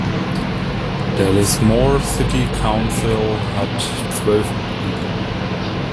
Der Lismore City Council hat zwölf Mitglieder.